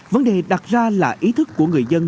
vấn đề đặt ra là ý thức của người dân